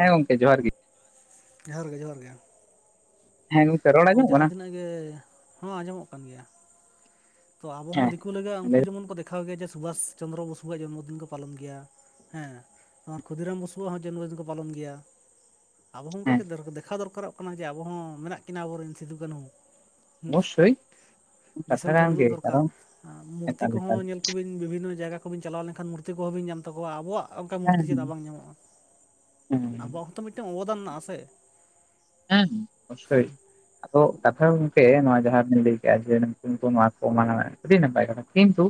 ᱦᱮᱸ ᱜᱚᱝᱠᱮ, ᱡᱚᱦᱟᱨ ᱜᱤ᱾ ᱡᱚᱦᱟᱨ ᱜᱮ, ᱡᱚᱦᱟᱨ ᱜᱮ᱾ ᱦᱮᱸ ᱜᱚᱝ ᱛᱚ ᱡᱟᱦᱟᱸ ᱛᱤᱱᱟᱹᱜ ᱜᱮ, ᱦᱚᱸ ᱟᱸᱡᱚᱢᱚᱜ ᱠᱟᱱ ᱜᱮᱭᱟ᱾ ᱛᱚ ᱟᱵᱚ ᱦᱚᱸ ᱫᱤᱠᱩ ᱞᱮᱠᱟ ᱦᱮᱸ ᱩᱱᱠᱩ ᱞᱟᱹᱭ ᱡᱮᱢᱚᱱ ᱠᱚ ᱫᱮᱠᱷᱟᱣ ᱜᱮᱭᱟ ᱥᱩᱵᱷᱟᱥ ᱪᱚᱱᱫᱨᱚ ᱵᱚᱥᱩᱣᱟᱜ ᱡᱚᱱᱢᱚᱫᱤᱱ ᱠᱚ ᱯᱟᱞᱚᱱ ᱜᱮᱭᱟ᱾ ᱦᱮᱸ ᱟᱨ ᱠᱷᱩᱫᱤᱨᱟᱢ ᱵᱚᱥᱩᱣᱟᱜ ᱦᱚᱸ ᱡᱚᱱᱢᱚ ᱫᱤᱱ ᱠᱚ ᱯᱟᱞᱚᱱ ᱜᱮᱭᱟ᱾ ᱟᱵᱚ ᱦᱚᱸ ᱚᱱᱠᱟ ᱦᱮᱸ ᱜᱮ ᱫᱮᱠᱷᱟᱣ ᱫᱚᱨᱠᱟᱨᱚᱜ ᱠᱟᱱᱟ ᱡᱮ ᱟᱵᱚ ᱦᱚᱸ ᱢᱮᱱᱟᱜ ᱠᱤᱱᱟ ᱟᱵᱚ ᱨᱮᱱ ᱥᱤᱫᱩ, ᱠᱟᱹᱱᱦᱩ᱾ ᱚᱵᱚᱥᱥᱳᱭ [unintelligible] ᱠᱟᱛᱷᱟ ᱫᱤᱥᱚᱢ ᱠᱟᱱ ᱴᱷᱮᱱ ᱜᱮ ᱩᱫᱩᱜ ᱫᱚᱨᱠᱟᱨ, ᱠᱟᱨᱚᱱ ᱢᱩᱨᱛᱤ ᱮᱠᱟᱞ ᱮᱠᱟᱞ ᱠᱚᱦᱚᱸ ᱧᱮᱞ ᱠᱚᱵᱤᱱ ᱵᱤᱵᱷᱤᱱᱱᱚ ᱡᱟᱭᱜᱟ ᱠᱚᱵᱤᱱ ᱪᱟᱞᱟᱣ ᱞᱮᱠᱷᱟᱱ ᱢᱩᱨᱛᱤ ᱠᱚᱸᱦᱚ ᱵᱤᱱ ᱧᱟᱢ ᱛᱟᱠᱚᱣᱟ, ᱟᱵᱚᱣᱟᱜ ᱚᱱᱠᱟ ᱢᱩᱨᱛᱤ ᱦᱮᱸ ᱪᱮᱫᱟᱜ ᱵᱟᱝ ᱧᱟᱢᱚᱜᱼᱟ? ᱦᱮᱸ ᱟᱵᱚᱣᱟᱜ ᱦᱚᱸᱛᱚ ᱢᱤᱫᱴᱟᱝ ᱚᱵᱚᱫᱟᱱ ᱢᱮᱱᱟᱜᱼᱟ ᱥᱮ᱾ ᱦᱮᱸ ᱚᱵᱚᱥᱥᱳᱭ ᱟᱫᱚ ᱠᱟᱛᱷᱟ ᱜᱚᱝᱠᱮ ᱱᱚᱣᱟ ᱡᱟᱦᱟᱸ ᱵᱤᱱ ᱞᱟᱹᱭ ᱠᱮᱫᱼᱟ ᱡᱮ ᱱᱚᱣᱟ ᱠᱚᱠᱚ ᱢᱟᱱᱟᱣᱟ, ᱟᱹᱰᱤ ᱱᱟᱯᱟᱭ ᱠᱟᱛᱷᱟ ᱾ ᱠᱤᱱᱛᱩ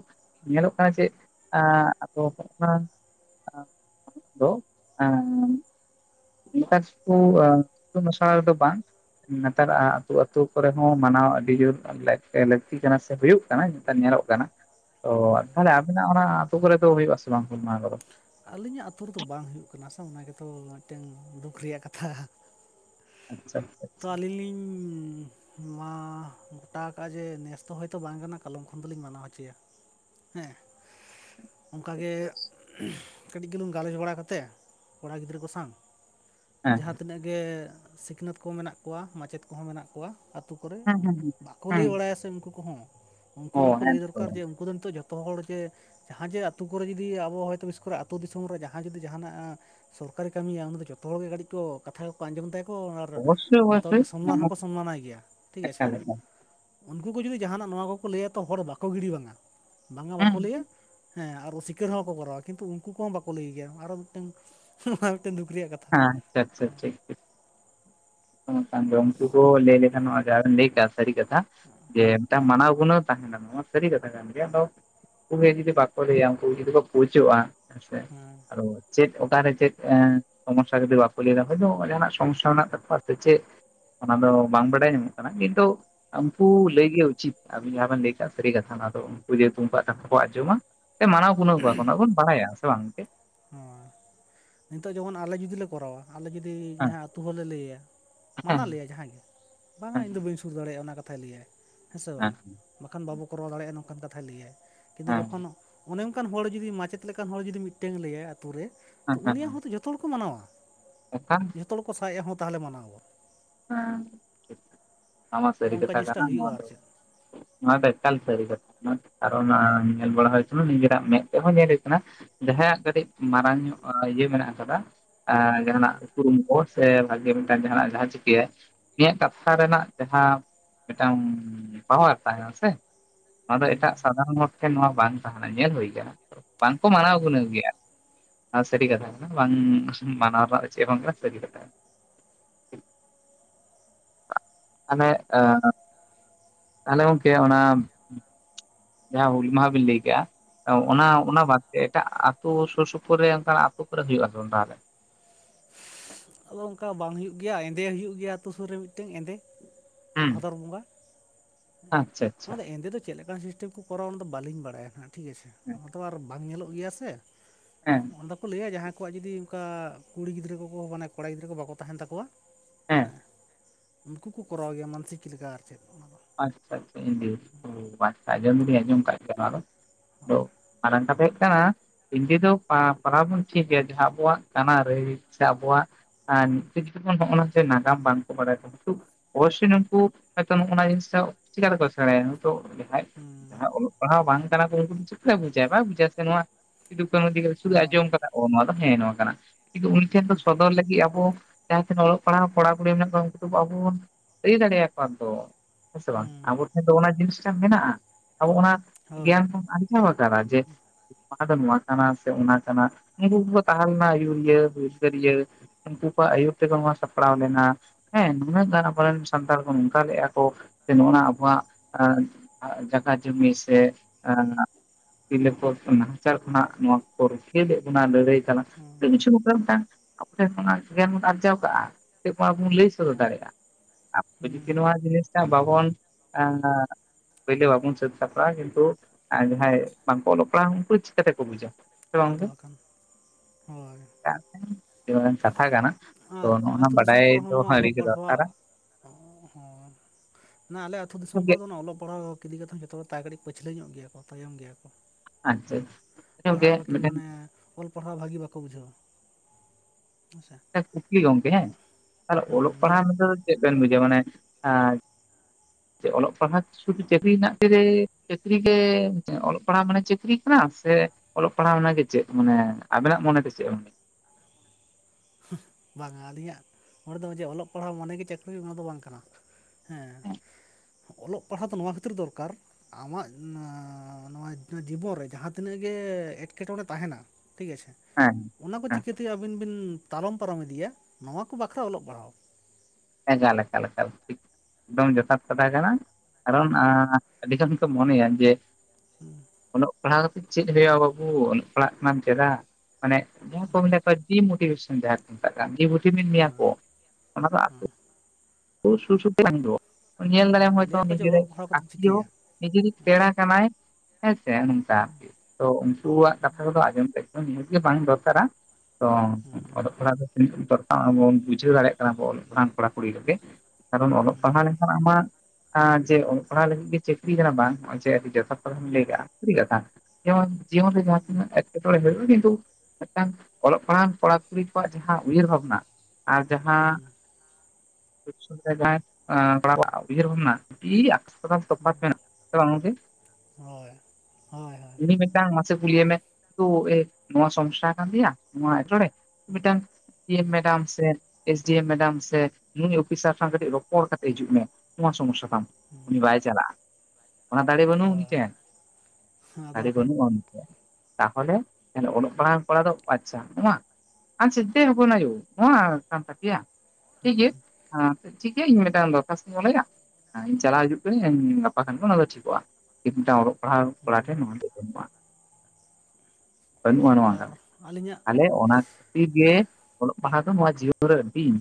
ᱧᱮᱞᱚᱜ ᱠᱟᱱᱟ ᱪᱮᱫ ᱮᱸ ᱟᱫᱚ ᱟᱫᱚ [unintelligible] ᱦᱮᱸ [unintelligible] ᱫᱚ ᱵᱟᱝ᱾ ᱱᱮᱛᱟᱨ ᱟᱛᱳ ᱟᱛᱳ ᱠᱚᱨᱮ ᱦᱚᱸ ᱢᱟᱱᱟᱣ ᱟᱹᱰᱤ ᱡᱳᱨ ᱞᱟᱹᱠᱛᱤ ᱠᱟᱱᱟ, ᱥᱮ ᱦᱩᱭᱩᱜ ᱠᱟᱱᱟ ᱱᱮᱛᱟᱨ ᱧᱮᱞᱚᱜ ᱠᱟᱱᱟ ᱛᱚ ᱛᱟᱦᱚᱞᱮ ᱟᱵᱤᱱᱟᱜ ᱚᱱᱟ ᱟᱹᱛᱩ ᱠᱚᱨᱮ ᱫᱚ ᱦᱩᱭᱩᱜ ᱟᱥᱮ ᱵᱟᱝ ᱚᱱᱟ ᱠᱚᱫᱚ? ᱟᱹᱞᱤᱧ ᱟᱜ ᱟᱹᱛᱩ ᱨᱮᱫᱚ ᱵᱟᱝ ᱦᱩᱭᱩᱜ ᱠᱟᱱᱟ ᱥᱮ ᱚᱱᱟ ᱜᱮᱛᱚ ᱢᱤᱫ ᱴᱮᱱ ᱫᱩᱠ ᱨᱮᱭᱟᱜ ᱠᱟᱛᱷᱟ᱾ ᱟᱪᱪᱷᱟ ᱟᱪᱪᱷᱟ ᱛᱚ ᱟᱪᱪᱷᱟ ᱟᱹᱞᱤᱧ ᱞᱤᱧ ᱱᱚᱣᱟ ᱜᱚᱴᱟ ᱠᱟᱜᱼᱟ ᱡᱮ ᱱᱮᱥ ᱫᱚ ᱦᱳᱭᱛᱚ ᱵᱟᱝ ᱠᱟᱱᱟ ᱠᱟᱞᱚᱢ ᱠᱷᱚᱱ ᱫᱚᱞᱤᱧ ᱢᱟᱱᱟᱣ ᱦᱚᱪᱚᱭᱟ᱾ ᱦᱮᱸ ᱚᱱᱠᱟᱜ ᱜᱮ ᱠᱟᱹᱴᱤᱡ ᱪᱩᱞᱩᱝ ᱜᱟᱞᱚᱪ ᱵᱟᱲᱟ ᱠᱟᱛᱮ ᱠᱚᱲᱟ ᱜᱤᱫᱽᱨᱟᱹ ᱠᱚ ᱥᱟᱝ ᱦᱮᱸ ᱡᱟᱦᱟᱸ ᱛᱤᱱᱟᱹᱜ ᱜᱮ ᱥᱤᱠᱷᱱᱟᱹᱛ ᱠᱚ ᱢᱮᱱᱟᱜ ᱠᱚᱣᱟ ᱢᱟᱪᱮᱫ ᱠᱚᱦᱚᱸ ᱢᱮᱱᱟᱜ ᱠᱚᱣᱟ, ᱟᱛᱳ ᱠᱚᱨᱮ ᱦᱮᱸ ᱦᱮᱸ ᱦᱮᱸ ᱵᱟᱠᱚ ᱞᱟᱹᱭ ᱦᱮᱸ ᱵᱟᱲᱟᱭᱟ ᱥᱮ ᱩᱝᱠᱩ ᱠᱚᱦᱚᱸ ᱚ ᱩᱝᱠᱩ ᱜᱮᱠᱚ ᱦᱮᱸ ᱞᱟᱹᱭ ᱛᱚ ᱫᱚᱨᱠᱟᱨ ᱡᱮ ᱩᱝᱚ ᱫᱚ ᱱᱤᱛᱚᱜ ᱡᱷᱚᱛᱚ ᱦᱚᱲ ᱡᱮ ᱡᱟᱦᱟᱸ ᱡᱮ ᱟᱛᱳ ᱠᱚᱨᱮ ᱡᱩᱫᱤ ᱟᱵᱚ ᱟᱛᱳ ᱤᱥᱠᱩᱞ ᱨᱮ ᱟᱹᱛᱳ ᱫᱤᱥᱚᱢ ᱨᱮ ᱡᱟᱦᱟᱸᱭ ᱡᱩᱫᱤ ᱡᱟᱦᱟᱸᱱᱟᱜ ᱥᱚᱨᱠᱟᱨᱤ ᱠᱟᱹᱢᱤᱭᱟ ᱩᱱᱤ ᱫᱚ ᱡᱚᱛᱚ ᱦᱚᱲᱜᱮ ᱠᱟᱹᱴᱤᱡ ᱠᱚ ᱠᱟᱛᱷᱟ ᱠᱚ ᱟᱸᱡᱚᱢ ᱛᱟᱭᱟ ᱠᱚ ᱟᱨ ᱚᱵᱚᱥᱥᱳᱭ ᱡᱷᱚᱛᱚ ᱚᱵᱚᱥᱥᱳᱭ ᱜᱮ ᱥᱚᱱᱢᱟᱱ ᱧᱟᱢᱚᱜ ᱦᱚᱸᱠᱚ ᱥᱚᱱᱢᱟᱱ ᱟᱭ ᱜᱮᱭᱟ ᱴᱷᱤᱠ ᱟᱪᱷᱮ᱾ ᱮᱠᱟᱞ ᱮᱠᱟᱞ ᱩᱱᱠᱩ ᱠᱚ ᱡᱩᱫᱤ ᱡᱟᱦᱟᱸᱱᱟᱜ ᱱᱚᱣᱟ ᱠᱚᱠᱚ ᱞᱟᱹᱭᱟ ᱛᱚ ᱦᱚᱲ ᱵᱟᱠᱚ ᱜᱤᱰᱤ ᱵᱟᱝᱟ, ᱵᱟᱝᱟ ᱦᱮᱸ ᱵᱟᱠᱚ ᱦᱮᱸ ᱞᱟᱹᱭᱟ ᱦᱮᱸ ᱟᱨᱚ ᱥᱤᱠᱟᱹᱨ ᱦᱚᱸ ᱵᱟᱠᱚ ᱠᱚᱨᱟᱣᱟ ᱠᱤᱱᱛᱩ ᱩᱱᱠᱩ ᱠᱚᱦᱚᱸ ᱵᱟᱠᱚ ᱞᱟᱹᱭ ᱜᱮᱭᱟ ᱟᱨᱚ ᱢᱤᱫ ᱴᱟᱝ ᱟᱨ ᱢᱤᱫ ᱴᱟᱝ ᱫᱩᱠ ᱨᱮᱭᱟᱜ ᱠᱟᱛᱷᱟ᱾ ᱦᱟᱸ ᱟᱪᱪᱷᱟ ᱟᱪᱪᱷᱟ ᱴᱷᱤᱠ᱾ ᱩᱱ ᱠᱷᱟᱱ ᱫᱚ ᱩᱱᱠᱩ ᱠᱚ ᱞᱟᱹᱭ ᱞᱮᱠᱷᱟᱱ ᱜᱟᱱᱚᱜᱼᱟ ᱡᱮ ᱞᱟᱹᱭ ᱠᱟᱜᱼᱟ ᱥᱟᱹᱨᱤ ᱠᱟᱛᱷᱟ, ᱡᱮ ᱢᱤᱫ ᱴᱟᱝ ᱢᱟᱱᱟᱣ ᱜᱩᱱᱟᱹᱣ ᱛᱟᱦᱮᱸᱱᱟ ᱱᱚᱣᱟ ᱥᱟᱹᱨᱤ ᱠᱟᱛᱷᱟ ᱠᱟᱱ ᱜᱮᱭᱟ, ᱛᱚ ᱩᱝᱠᱩ ᱜᱮ ᱡᱩᱫᱤ ᱵᱟᱠᱚ ᱞᱟᱹᱭᱟ ᱩᱱᱠᱩ ᱡᱩᱫᱤ ᱠᱚ ᱯᱟᱹᱪᱟᱜᱼᱟ ᱦᱮᱸᱥᱮ, ᱦᱮᱸ ᱟᱫᱚ ᱪᱮᱫ ᱚᱠᱟᱨᱮ ᱪᱮᱫ ᱮᱸ ᱥᱚᱢᱚᱥᱥᱟ ᱡᱩᱫᱤ ᱵᱟᱠᱚ ᱞᱟᱹᱭ ᱫᱟᱭ ᱦᱳᱭ ᱛᱚ ᱡᱟᱦᱟᱸᱱᱟᱜ ᱥᱚᱢᱚᱥᱥᱟ ᱢᱮᱱᱟᱜ ᱛᱟᱠᱚᱣᱟ, ᱥᱮᱪᱮᱫ ᱚᱱᱟ ᱫᱚ ᱵᱟᱝ ᱵᱟᱰᱟᱭ ᱧᱟᱢᱚᱜ ᱠᱟᱱᱟ ᱠᱤᱱᱛᱩ ᱩᱱᱠᱩ ᱞᱟᱹᱭ ᱜᱮ ᱩᱪᱤᱛ᱾ ᱟᱵᱤᱱ ᱡᱟᱦᱟᱸ ᱵᱮᱱ ᱞᱟᱹᱭ ᱠᱮᱜᱟ ᱥᱟᱹᱨᱤ ᱠᱟᱛᱷᱟ ᱱᱚᱣᱟ ᱫᱚ ᱩᱝᱠᱩ ᱡᱮᱦᱮᱛᱩ ᱩᱝᱠᱩᱣᱟᱜ ᱠᱟᱛᱷᱟ ᱠᱚ ᱟᱸᱡᱚᱢᱟ ᱢᱟᱱᱟᱣ ᱜᱩᱱᱟᱹᱣ ᱠᱚᱣᱟ ᱠᱚ ᱦᱟᱸᱜ ᱵᱚᱱ ᱵᱟᱲᱟᱭᱟ ᱥᱮ ᱵᱟᱝ ᱜᱚᱝᱠᱮ? ᱦᱳᱭ ᱱᱤᱛᱚᱜ ᱡᱮᱢᱚᱱ ᱟᱞᱮ ᱡᱩᱫᱤ ᱞᱮ ᱠᱚᱨᱟᱣᱟ ᱟᱞᱮ ᱡᱩᱫᱤ ᱦᱮᱸ ᱡᱟᱦᱟᱸ ᱟᱹᱛᱩ ᱦᱚᱲᱞᱮ ᱞᱟᱹᱭ ᱟᱭᱟ ᱦᱮᱸ ᱢᱟᱱᱟ ᱞᱮᱭᱟᱭ ᱡᱟᱦᱟᱸᱭ ᱜᱮ ᱵᱟᱝᱟ ᱦᱮᱸ ᱤᱧ ᱫᱚ ᱵᱟᱹᱧ ᱥᱩᱨ ᱫᱟᱲᱮᱭᱟᱜᱼᱟ ᱚᱱᱟ ᱠᱟᱛᱷᱟᱭ ᱞᱟᱹᱭᱟ, ᱦᱮᱸᱥᱮ ᱦᱮᱸ ᱵᱟᱝᱟ? ᱵᱟᱠᱷᱟᱱ ᱵᱟᱵᱚ ᱠᱚᱨᱟᱣ ᱫᱟᱲᱮᱭᱟᱜᱼᱟ ᱱᱚᱝᱠᱟᱱ ᱠᱟᱛᱷᱟᱭ ᱞᱟᱹᱭᱟ, ᱠᱤᱱᱛᱩ ᱦᱮᱸ ᱡᱚᱠᱷᱚᱱ ᱚᱱᱮ ᱚᱝ ᱠᱟᱱ ᱦᱚᱲ ᱡᱩᱫᱤ ᱢᱟᱪᱮᱫ ᱞᱮᱠᱟᱱ ᱦᱚᱲ ᱡᱩᱫᱤ ᱢᱤᱫ ᱴᱮᱱ ᱞᱟᱹᱭ ᱟᱭ ᱟᱛᱳ ᱨᱮ ᱛᱚ ᱩᱱᱤ ᱭᱟᱜ ᱦᱚᱲ ᱡᱚᱛᱚ ᱦᱚᱲ ᱠᱚ ᱢᱟᱱᱟᱣ-ᱟ᱾ ᱮᱱ ᱠᱷᱟᱱ ᱡᱷᱚᱛᱚ ᱦᱚᱲ ᱠᱚ ᱥᱟᱭ‌‌ ᱮ ᱦᱚᱸ ᱛᱟᱦᱞᱮ ᱢᱟᱱᱟᱣ-ᱟ ᱵᱚ᱾ ᱦᱮᱸ ᱱᱚᱣᱟ ᱢᱟ ᱥᱟᱹᱨ ᱱᱚᱝᱠᱟ ᱠᱟᱛᱷᱟ ᱡᱤᱱᱤᱥᱴᱟ ᱠᱟᱱᱟ, ᱦᱩᱭᱩᱜᱼᱟ ᱱᱚᱣᱟ ᱟᱨ ᱫᱚ ᱪᱮᱫ ᱱᱚᱣᱟ ᱫᱚ ᱮᱠᱟᱞ ᱥᱟᱹᱨᱤ ᱠᱟᱛᱷᱟ ᱟᱨ ᱚᱱᱟ ᱧᱮᱞ ᱵᱟᱲᱟ ᱦᱳᱭ ᱠᱟᱱᱟ ᱱᱤᱡᱮᱨᱟᱜ ᱢᱮᱫ ᱛᱮᱦᱚᱸ ᱧᱮᱞ ᱦᱩᱭᱩᱜ ᱠᱟᱱᱟ ᱡᱟᱦᱟᱸᱭ ᱟᱸᱜ ᱠᱟᱹᱴᱤᱡ ᱢᱟᱨᱟᱝ ᱧᱚᱜ ᱤᱭᱟᱹ ᱢᱮᱱᱟᱜ ᱠᱟᱫᱟ, ᱮᱸ ᱡᱟᱦᱟᱸᱱᱟᱜ ᱩᱯᱩᱨᱩᱢ ᱠᱚ ᱥᱮ ᱵᱷᱟᱜᱮ ᱢᱤᱫ ᱴᱟᱝ ᱡᱟᱦᱟᱸᱱᱟᱜ ᱡᱟᱦᱟᱸ ᱪᱤ ᱠᱟᱹᱭᱟ ᱤᱧᱟᱹᱜ ᱠᱟᱛᱷᱟ ᱨᱮᱱᱟᱜ ᱡᱟᱦᱟᱸ ᱢᱤᱫ ᱴᱟᱝ ᱯᱟᱣᱟᱨ ᱛᱟᱦᱮᱸᱱᱟ ᱥᱮ ᱱᱚᱣᱟ ᱫᱚ ᱦᱩᱸ ᱮᱴᱟᱜ ᱥᱟᱫᱷᱟᱨᱚᱱ ᱦᱚᱲ ᱴᱷᱮᱱ ᱱᱚᱣᱟ ᱵᱟᱝ ᱛᱟᱦᱮᱸᱱᱟ ᱧᱮᱞ ᱦᱩᱭ ᱠᱟᱱᱟ, ᱵᱟᱝ ᱠᱚ ᱢᱟᱱᱟᱣ ᱦᱮᱸ ᱜᱩᱱᱟᱹᱣ ᱜᱮᱭᱟ᱾ ᱟᱨ ᱥᱟᱹᱨᱤ ᱠᱟᱛᱷᱟ ᱠᱟᱱᱟ ᱵᱟᱝ ᱢᱟᱱᱟᱣ ᱨᱮᱱᱟᱜ ᱪᱮᱫ ᱦᱚᱸ ᱵᱟᱝ ᱠᱟᱱᱟ ᱥᱟᱨᱤ ᱠᱟᱛᱷᱟ ᱠᱟᱱᱟ᱾ ᱦᱟᱸᱱᱮ ᱟᱸ ᱦᱟᱸᱱᱮ ᱜᱚᱝᱠᱮ ᱚᱱᱟ ᱡᱟᱦᱟᱸ ᱦᱩᱞ ᱢᱟᱦᱟ ᱵᱤᱱ ᱞᱟᱹᱭ ᱠᱮᱜᱼᱟ ᱚᱱᱟ ᱚᱱᱟ ᱵᱟᱛ ᱮᱴᱟᱜ ᱟᱹᱛᱳ ᱥᱩᱨ ᱥᱩᱯᱩᱨ ᱨᱮ ᱚᱱᱠᱟᱱᱟᱸᱜ ᱟᱹᱛᱩ ᱠᱚᱨᱮ ᱦᱩᱭᱩᱜᱼᱟ ᱛᱚ ᱛᱟᱦᱞᱮ? ᱟᱫᱚ ᱚᱱᱠᱟ ᱵᱟᱝ ᱦᱩᱭᱩᱜ ᱜᱮᱭᱟ ᱮᱸᱫᱮ ᱦᱩᱭᱩᱜ ᱜᱮᱭᱟ ᱟᱹᱛᱩ ᱥᱩᱨ ᱨᱮ ᱢᱤᱫ ᱴᱟᱱ ᱮᱸᱫᱮ᱾ ᱦᱩᱸ ᱵᱷᱟᱫᱚᱨ ᱵᱚᱸᱜᱟ, ᱟᱪᱪᱷᱟ ᱟᱪᱪᱷᱟ ᱱᱚᱣᱟ ᱫᱚ ᱮᱸᱫᱮ ᱫᱚ ᱪᱮᱫ ᱞᱮᱠᱟᱱ ᱥᱤᱥᱴᱮᱢ ᱠᱚ ᱠᱚᱨᱚᱱ ᱫᱚ ᱵᱟᱞᱤᱧ ᱵᱟᱲᱟᱭᱟ ᱦᱟᱸᱜ ᱴᱷᱤᱠ ᱟᱪᱷᱮ, ᱦᱮᱸ ᱚᱱᱟ ᱛᱚ ᱟᱨ ᱵᱟᱝ ᱧᱮᱞᱚᱜ ᱜᱮᱭᱟ ᱥᱮ ᱦᱮᱸ ᱚᱱᱟ ᱫᱚᱠᱚ ᱞᱟᱹᱭᱟ ᱡᱟᱦᱟᱸᱭ ᱠᱚᱣᱟᱜ ᱡᱩᱫᱤ ᱚᱠᱟ ᱠᱩᱲᱤ ᱜᱤᱫᱽᱨᱟᱹ ᱠᱚ [unintelligible] ᱠᱚᱲᱟ ᱜᱤᱫᱽᱨᱟᱹ ᱠᱚ ᱵᱟᱠᱚ ᱛᱟᱦᱮᱱ ᱛᱟᱠᱚᱣᱟ ᱦᱮᱸ ᱦᱮᱸᱼᱼ ᱩᱱᱠᱩ ᱠᱚ ᱠᱚᱨᱟᱣ ᱜᱮᱭᱟ ᱢᱟᱱᱥᱤᱠ ᱞᱮᱠᱟ ᱟᱨ ᱪᱮᱫᱼᱼ ᱟᱪᱪᱷᱟ ᱟᱪᱪᱷᱟ ᱟᱪᱪᱷᱟ ᱟᱸᱡᱚᱢ ᱫᱚ ᱞᱤᱧ ᱟᱸᱡᱚᱢ ᱟᱠᱟᱫᱟ ᱜᱮᱭᱟ ᱱᱚᱣᱟ ᱠᱚᱼᱼ [inaudible] ᱠᱟᱱᱟ ᱦᱤᱱᱫᱤ ᱫᱚ ᱯᱟᱲᱦᱚᱵ ᱵᱚᱱ ᱴᱷᱤᱠ ᱜᱮᱭᱟ ᱡᱟᱦᱟᱸ ᱟᱵᱚᱣᱟᱜ ᱠᱟᱱᱟ ᱥᱮ ᱟᱵᱚᱣᱟᱜᱼᱼ ᱟᱨ ᱠᱪᱷᱩ ᱠᱷᱚᱱ ᱦᱚᱜᱼᱚ ᱱᱟ ᱥᱮ ᱱᱟᱜᱟᱢ ᱵᱟᱝ ᱠᱚ ᱵᱟᱲᱟᱭ ᱠᱚ [inaudible] ᱚᱵᱚᱥᱥᱳᱭ ᱱᱩᱠᱩ ᱱᱚᱜᱚ ᱱᱟ ᱱᱚᱣᱟ ᱡᱤᱱᱤᱥ ᱪᱤᱠᱟᱹ ᱛᱮᱠᱚ ᱥᱮᱬᱟᱭ ᱱᱤᱛᱚᱜ ᱡᱟᱦᱟᱸᱭ ᱦᱩᱸ ᱡᱟᱦᱟᱸ ᱚᱞᱚᱜᱼᱼ ᱯᱟᱲᱦᱟᱣ ᱵᱟᱝ ᱠᱟᱱᱟ ᱩᱱᱠᱩ ᱫᱚ ᱪᱤᱠᱟᱹᱭ ᱵᱩᱡᱟᱹ ᱵᱟᱭ ᱵᱩᱡᱟᱹ ᱥᱮ ᱱᱚᱣᱟ ᱥᱤᱫᱩ ᱠᱟᱹᱱᱩ ᱤᱫᱤ ᱠᱟᱛᱮ [unintelligible] ᱦᱳᱭ ᱟᱸᱡᱚᱢ ᱠᱟᱫᱟ᱾ ᱚ ᱱᱚᱣᱟ ᱫᱚ ᱦᱮᱸ ᱱᱚᱣᱟ ᱠᱟᱱᱟ ᱠᱤᱱᱛᱩ ᱩᱱᱤ ᱴᱷᱮᱱ ᱫᱚ ᱥᱚᱫᱚᱨ ᱞᱟᱹᱜᱤᱫ ᱟᱵᱚᱼᱼ ᱡᱟᱦᱟᱸ ᱛᱤᱱᱟᱹᱜ ᱚᱞᱚᱜ ᱯᱟᱲᱦᱟᱜ ᱠᱚᱲᱟ ᱠᱩᱲᱤ ᱢᱮᱱᱟᱜ ᱠᱚᱣᱟ ᱩᱱᱠᱩ ᱫᱚ ᱵᱟᱵ ᱵᱚᱱ [inaudible] ᱹ ᱫᱟᱲᱮ ᱟᱠᱚᱣᱟ ᱛᱚᱼᱼ ᱦᱮᱸ ᱥᱮ ᱵᱟᱝ ᱦᱩᱸ ᱟᱵᱚ ᱴᱷᱮᱱ ᱫᱚ ᱚᱱᱟ ᱡᱤᱱᱤᱥᱴᱟ ᱢᱮᱱᱟᱜ-ᱟ ᱟᱵᱚ ᱚᱱᱟ ᱦᱳᱭ ᱜᱮᱭᱟᱱ ᱠᱷᱚᱱ ᱟᱹᱰᱤᱼᱼ ᱧᱟᱢ ᱟᱠᱟᱫᱟ ᱡᱮᱼᱼ ᱱᱚᱣᱟ ᱫᱚ ᱱᱚᱣᱟ ᱠᱟᱱᱟ ᱥᱮ ᱚᱱᱟ ᱠᱟᱱᱟ ᱩᱱᱠᱩ ᱠᱚᱠᱚ ᱛᱟᱦᱮᱸ ᱞᱮᱱᱟ ᱟᱹᱭᱩᱨᱤᱭᱟᱹ ᱥᱮ ᱦᱩᱞᱜᱟᱹᱨᱤᱭᱟᱹ᱾ ᱩᱱᱠᱩ ᱠᱚᱣᱟᱜ ᱟᱭᱩᱨ ᱛᱮ ᱜᱮ ᱱᱚᱣᱟ ᱥᱟᱯᱲᱟᱣ ᱢᱮᱱᱟᱜᱼᱟ᱾ ᱦᱮᱸ ᱱᱩᱱᱟᱹᱜ ᱜᱟᱱ ᱟᱵᱚᱨᱮᱱ ᱥᱟᱱᱛᱟᱲ ᱠᱚ ᱱᱚᱝᱠᱟ ᱞᱮᱜ-ᱟ ᱠᱚᱼᱼ ᱱᱚᱜᱚᱱᱟ ᱟᱵᱚᱣᱟᱜ ᱡᱟᱠᱟ ᱡᱚᱢᱤ ᱥᱮ [inaudible] ᱛᱤᱨᱞᱟᱹ ᱠᱚ ᱱᱟᱦᱟᱪᱟᱨ ᱠᱷᱚᱱᱟᱜ ᱱᱚᱣᱟ ᱠᱚ ᱨᱩᱠᱷᱤᱭᱟᱹ ᱞᱮᱫ ᱵᱚᱱᱟ ᱞᱟᱹᱲᱦᱟᱹᱭ ᱛᱟᱞᱟ᱾ ᱦᱩᱸ ᱟᱰᱤ ᱠᱤᱪᱷᱩ ᱠᱟᱨᱚᱱ ᱛᱟᱦᱮᱱ ᱠᱟᱱᱟ ᱟᱯᱮ ᱠᱷᱱᱟᱜ ᱜᱮᱭᱟᱱ ᱵᱚᱱ ᱟᱨᱡᱟᱣ ᱠᱟᱜ-ᱟ ᱵᱚᱱ ᱞᱟᱹᱭ᱾ [inaudible] ᱦᱩᱸ ᱩᱛᱟᱨ ᱟᱵᱚ ᱠᱚ ᱡᱩᱫᱤ ᱦᱩᱸ ᱱᱚᱣᱟ ᱡᱤᱱᱤᱥᱼᱼ ᱵᱟᱵᱚᱱ ᱯᱳᱭᱞᱳ ᱵᱟᱵᱚᱱ ᱥᱟᱹᱛ ᱥᱟᱯᱷᱟᱜᱟ ᱠᱤᱱᱛᱩ ᱡᱟᱦᱟᱸᱭᱼᱼ ᱵᱟᱝ ᱠᱚ ᱚᱞᱚᱜ ᱵᱩᱡᱟ ᱪᱮᱫ ᱠᱚ ᱵᱩᱡᱟ ᱟᱫᱚ ᱵᱟᱠᱷᱟᱱ ᱦᱳᱭ [inaudible] ᱠᱟᱛᱷᱟ ᱠᱟᱱᱟ ᱛᱚ ᱟᱨ ᱱᱚᱜᱱᱟ ᱟᱹᱛᱩ ᱫᱤᱥᱚᱢ ᱵᱟᱰᱟᱭ ᱠᱚᱨᱮ ᱦᱚᱸ ᱫᱚ ᱱᱚᱣᱟ ᱟᱹᱰᱤ ᱚᱞᱚᱜ ᱜᱮ ᱯᱟᱲᱦᱟᱣᱟᱜ ᱫᱚᱨᱠᱟᱨᱟ᱾ ᱚᱱᱟ ᱟᱞᱮ ᱟᱹᱛᱩ ᱫᱤᱥᱚᱢ ᱜᱚᱝᱠᱮ ᱠᱚᱨᱮ ᱫᱚ ᱚᱱᱟ ᱚᱞᱚᱜ ᱯᱟᱲᱦᱟᱣᱼᱼ ᱤᱫᱤ ᱠᱟᱛᱮ ᱦᱚᱸ ᱡᱚᱛᱚ ᱦᱚᱲ ᱛᱟᱠ ᱠᱟᱴᱤᱡ ᱯᱟᱹᱪᱷᱞᱟᱹ ᱧᱚᱜ ᱜᱮᱭᱟ ᱠᱚ ᱛᱟᱭᱚᱢ ᱜᱮᱭᱟ ᱠᱚᱼᱼ ᱟᱪᱪᱷᱟ ᱦᱮᱸ ᱜᱚᱝᱠᱮ ᱯᱟᱲᱦᱟᱜ ᱵᱟᱹᱠᱤ ᱢᱤᱫᱴᱮᱱ ᱢᱟᱱᱮᱼᱼ ᱚᱞ ᱯᱟᱲᱦᱟᱣ ᱵᱷᱟᱜᱤ ᱵᱟᱠᱚ ᱵᱩᱡᱷᱟᱹᱣᱟ ᱦᱮᱸ ᱥᱮᱼᱼ ᱢᱤᱫᱴᱟᱝ ᱠᱩᱠᱞᱤ ᱜᱚᱢᱠᱮ ᱦᱮᱸ ᱚᱞᱚᱜ ᱯᱟᱲᱦᱟᱜ ᱞᱟᱹᱭᱵᱤᱱ ᱢᱮᱱ ᱛᱮᱫᱚ ᱪᱮᱫ ᱵᱮᱱ ᱵᱩᱡᱟᱣᱟ ᱢᱟᱱᱮᱼᱼ ᱡᱮ ᱚᱞᱚᱜ ᱯᱟᱲᱦᱟᱜᱼᱼ ᱥᱩᱫᱩ ᱪᱟᱹᱠᱨᱤ ᱨᱮᱱᱟᱜ ᱛᱮᱜᱮ ᱪᱟᱹᱠᱨᱤ ᱜᱮ ᱚᱞᱚᱜ ᱯᱟᱲᱦᱟᱜ ᱢᱟᱱᱮ ᱪᱟᱹᱠᱨᱤ ᱠᱟᱱᱟ ᱥᱮ ᱚᱞᱚᱜ ᱯᱟᱲᱦᱟᱣ ᱚᱱᱟᱱᱟᱜᱮ [inaudible] ᱪᱮᱫ ᱢᱟᱱᱮ ᱟᱵᱮᱱᱟᱜ ᱢᱚᱱᱮ ᱫᱚ ᱪᱮᱫ ᱮᱢ ᱦᱩᱦ ᱵᱟᱝ ᱟᱹᱞᱤᱧᱟᱜ ᱚᱸᱰᱮ ᱫᱚ ᱡᱮ ᱚᱞᱚᱜ ᱯᱟᱲᱦᱟᱜ ᱢᱚᱱᱮ ᱪᱟᱹᱠᱨᱤ ᱚᱱᱟ ᱫᱚ ᱵᱟᱝ ᱠᱟᱱᱟ᱾ ᱦᱮᱸ ᱚᱞᱚᱜ ᱯᱟᱲᱦᱟᱜ ᱫᱚ ᱱᱚᱣᱟ ᱠᱷᱟᱹᱛᱤᱨ ᱫᱚᱨᱠᱟᱨᱼ ᱟᱢᱟᱜ ᱱᱚᱣᱟ ᱡᱤᱵᱚᱱ ᱨᱮ ᱡᱟᱦᱟᱸ ᱛᱤᱱᱟᱹᱜ ᱜᱮ ᱮᱸᱴᱠᱮᱴᱚᱬᱮ ᱛᱟᱦᱮᱱᱟ᱾ ᱴᱷᱤ ᱜᱟᱪᱷᱮ ᱦᱮᱸ ᱚᱱᱟ ᱠᱚ ᱪᱤᱠᱟᱹ ᱛᱮ ᱟᱹᱵᱤᱱ ᱵᱤᱱ ᱛᱟᱞᱚᱢ ᱯᱟᱨᱚᱢ ᱤᱫᱤᱭᱟ ᱱᱚᱣᱟ ᱠᱚ ᱵᱟᱠᱷᱨᱟ ᱚᱞᱚᱜ ᱯᱟᱲᱦᱟᱣᱼ ᱮᱠᱟᱞ ᱮᱠᱟᱞ ᱮᱠᱟᱞ ᱴᱷᱤᱠ ᱮᱠᱫᱚᱢ ᱡᱚᱛᱷᱟᱛ ᱠᱟᱛᱷᱟ ᱠᱟᱱᱟ ᱠᱟᱨᱚᱱ ᱟᱹᱰᱤ ᱜᱟᱱ ᱠᱚ ᱢᱚᱱᱮᱭᱟ ᱡᱮᱼᱼ ᱦᱩᱸ ᱚᱞᱚᱜ ᱯᱟᱲᱦᱟᱣ ᱠᱟᱛᱮᱫ ᱪᱮᱫ ᱦᱩᱭᱩᱜ-ᱟ ᱵᱟᱵᱩ ᱚᱞᱚᱜ ᱯᱟᱲᱦᱟᱜ ᱠᱟᱱᱟᱢ ᱪᱮᱫᱟᱜ ᱢᱟᱱᱮ ᱡᱟᱦᱟ ᱠᱚ ᱞᱟᱹᱭᱟ ᱰᱤᱢᱳᱴᱤᱵᱷᱮᱥᱚᱱ ᱡᱟᱦᱟᱸ ᱠᱚ ᱢᱮᱛᱟᱜ ᱠᱟᱱ ᱰᱤ ᱢᱳᱴᱤᱢᱮᱥ ᱦᱮᱸ ᱢᱮᱭᱟ ᱠᱚ ᱚᱱᱟ ᱫᱚ ᱛ ᱥᱩᱨᱥᱩᱛ ᱨ ᱫᱚᱼᱟ [inaudible] ᱧᱮᱞ ᱫᱟᱲᱮᱭᱟᱢ ᱦᱳᱭ ᱦᱚᱭ ᱛᱚ ᱞᱟᱹᱭᱟᱠᱚ ᱡᱮ ᱱᱤᱡᱮ ᱨᱮᱱ ᱚᱞᱚᱜ ᱯᱟᱲᱦᱟᱣ ᱠᱟᱛᱮᱢ ᱟᱹᱛᱤᱭᱳ ᱪᱤᱠᱟᱹᱭᱟ ᱱᱤᱡᱮ ᱨᱮᱱ ᱯᱮᱲᱟ ᱠᱟᱱᱟᱭ᱾ ᱦᱮᱸ ᱥᱮ ᱱᱚᱝᱠᱟ ᱟᱨᱠᱤ ᱛᱚ ᱩᱱᱠᱩᱣᱟᱜ ᱠᱟᱛᱷᱟ ᱠᱚᱫᱚ ᱟᱸᱡᱚᱢ ᱥᱮᱫ ᱫᱚ ᱱᱤᱦᱟᱛᱤ ᱜᱮ ᱵᱟᱝ ᱫᱚᱨᱠᱟᱨᱟ᱾ ᱛᱚ ᱦᱮᱸ ᱚᱞᱚᱜ ᱯᱟᱲᱦᱟᱜ ᱫᱚ ᱛᱤᱱᱟᱹᱜ ᱫᱚᱨᱠᱵᱚᱱ ᱵᱩᱡᱷᱟᱹᱣ ᱫᱟᱲᱭᱟᱜ ᱠᱟᱱᱟ ᱵᱚᱱ ᱚᱞᱚᱜ ᱯᱟᱲᱦᱟᱜ ᱠᱚᱲᱟ ᱠᱩᱲᱤ ᱠᱚᱜᱮ, ᱠᱟᱨᱚᱱ ᱚᱞᱚᱜ ᱯᱟᱲᱦᱟᱣ ᱦᱮᱸ ᱞᱮᱱᱠᱷᱟᱱ ᱟᱢᱟᱜ ᱡᱮ ᱚᱞᱚᱜ ᱯᱟᱲᱦᱟᱣ ᱞᱟᱹᱜᱤᱫ ᱜᱮ ᱪᱟᱹᱠᱨᱤ ᱠᱟᱱᱟ ᱵᱟᱝ ᱱᱚᱜ-ᱚᱭ ᱡᱮ ᱟᱹᱰᱤ [unintelligible] ᱞᱟᱹᱭ ᱠᱟᱜᱟ ᱥᱟᱨᱤ ᱠᱟᱛᱷᱟ ᱡᱮᱢᱚᱱ ᱡᱤᱭᱚᱱ ᱨᱮ ᱡᱟᱦᱟᱸ ᱛᱤᱱᱟᱹᱜ ᱮᱴᱠᱮᱴᱚᱬᱮ ᱦᱩᱭᱩᱜ-ᱟ ᱠᱤᱱᱛᱩ ᱢᱤᱫᱴᱟᱝ ᱚᱞᱚᱜ ᱯᱟᱲᱦᱟᱜ ᱠᱚᱲᱟ ᱠᱩᱲᱤ ᱠᱚᱣᱟᱜ ᱡᱟᱦᱟᱸ ᱩᱭᱦᱟᱹᱨ ᱵᱷᱟᱵᱽᱱᱟ ᱟᱨ ᱡᱟᱦᱟᱸ ᱟᱹᱛᱩ ᱫᱤᱥᱚᱢᱨᱮ ᱡᱟᱦᱟᱭ ᱠᱚᱲᱟ ᱠᱚᱣᱟᱜ ᱩᱭᱦᱟᱹᱨ ᱵᱷᱟᱵᱽᱱᱟ ᱟᱹᱰᱤ ᱛᱚᱯᱷᱟᱛ ᱢᱮᱱᱟᱜ-ᱟ ᱦᱮᱸ ᱥᱮ ᱵᱟᱝ ᱜᱚᱝᱠᱮ ᱦᱳᱭ ᱦᱳᱭ [unintelligible] ᱢᱤᱫᱴᱟᱝ ᱢᱟᱥᱮ ᱠᱩᱞᱤᱭᱮ ᱢᱮ ᱠᱤᱱᱛᱩ ᱮ ᱱᱚᱣᱟ ᱥᱚᱢᱚᱥᱥᱟ ᱠᱟᱱ ᱫᱚᱭᱟ ᱱᱚᱣᱟ ᱮᱴᱠᱮᱴᱚᱬᱮ ᱢᱤᱫᱴᱟᱝ ᱰᱤ ᱮᱢ ᱢᱮᱰᱟᱢ ᱥᱮ ᱮᱥ ᱰᱤ ᱮᱢ ᱢᱮᱰᱟᱢ ᱥᱮ ᱱᱩᱭ ᱚᱯᱷᱤᱥᱟᱨ ᱥᱟᱶ ᱠᱟᱹᱴᱤᱡ ᱨᱚᱯᱚᱲ ᱠᱟᱛᱮ ᱦᱤᱡᱩᱜ ᱢᱮ ᱱᱚᱣᱟ ᱥᱚᱢᱚᱥᱥᱟ ᱛᱟᱢ ᱦᱳᱭ ᱩᱱᱤ ᱵᱟᱭ ᱪᱟᱞᱟᱜ-ᱟ ᱾ ᱚᱱᱟ ᱫᱟᱲᱮ ᱵᱟᱹᱱᱩᱜ-ᱟ ᱩᱱᱤ ᱦᱳᱭ ᱴᱷᱮᱱ ᱟᱫᱚ ᱫᱟᱲᱮ ᱵᱟᱠᱷᱟᱱ ᱵᱟᱹᱱᱩᱜ-ᱟ ᱾ ᱛᱟᱦᱚᱞᱮ ᱚᱞᱚᱜ ᱯᱟᱲᱦᱟᱜ ᱠᱚᱲᱟ ᱫᱚ ᱟᱪᱪᱷᱟ ᱱᱚᱣᱟ ᱟᱪᱪᱷᱟ ᱫᱮ ᱦᱚᱯᱚᱱ ᱟᱭᱩ ᱱᱚᱣᱟ ᱠᱟᱱ ᱛᱟᱯᱮᱭᱟ ᱴᱷᱤᱠ ᱜᱮ ᱴᱷᱤᱠ ᱜᱮᱭᱟ ᱤᱧ ᱢᱤᱫᱴᱟᱝ ᱫᱚᱨᱠᱷᱟᱥᱛᱚ ᱚᱞᱟᱭᱟ ᱤᱧ ᱪᱟᱞᱟᱣ ᱦᱤᱡᱩᱜ ᱠᱟᱱᱤᱧ ᱜᱟᱯᱟ ᱠᱷᱟᱱ ᱜᱮ ᱚᱱᱟ ᱫᱚ ᱴᱷᱤᱠᱚᱜ-ᱟ ᱾ ᱢᱤᱫᱴᱟᱝ ᱚᱞᱚᱜ ᱯᱟᱲᱦᱟᱜ ᱠᱚᱲᱟ ᱴᱷᱮᱱ ᱱᱚᱣᱟ ᱫᱚ ᱵᱟᱹᱱᱩᱜ-ᱟ ᱾ ᱵᱟᱹᱱᱩᱜᱼᱟ ᱟᱱᱣᱟ ᱟᱨ ᱴᱟᱜ ᱟᱹᱞᱤᱧᱟᱜ ᱟᱞᱮ ᱚᱱᱟ ᱟᱹᱰᱤ ᱜᱮ ᱚᱞᱚᱜ ᱯᱟᱲᱟᱜ ᱫᱚ ᱱᱚᱣᱟ ᱡᱤᱭᱚᱱ ᱨᱮ ᱟᱹᱰᱤ [inaudible]